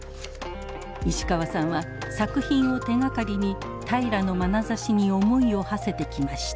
石川さんは作品を手がかりに平良のまなざしに思いをはせてきました。